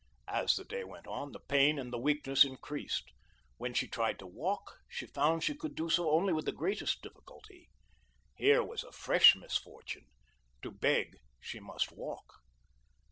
As the day went on, the pain and the weakness increased. When she tried to walk, she found she could do so only with the greatest difficulty. Here was fresh misfortune. To beg, she must walk.